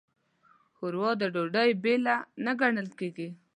ښوروا د ډوډۍ بېله نه ګڼل کېږي.